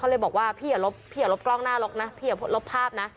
เขาเลยบอกว่าพี่อย่าลบกล้องหน้ารถนะพี่อย่าลบภาพนะ